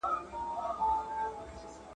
د مېرمني چي بینا سوې دواړي سترګي !.